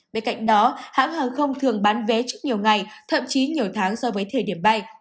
bên cạnh đó hãng hàng không thường bán vé trước nhiều ngày thậm chí nhiều tháng so với thời điểm bay